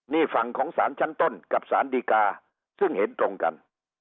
นี่ฝั่งของสารชั้นต้นกับสารดีกาซึ่งเห็นตรงกัน